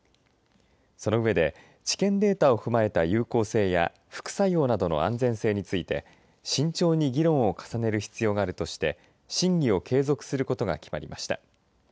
その上で、治験データを踏まえた有効性や副作用などの安全性について慎重に議論を重ねる必要があるとして審議を継続することが決まりました。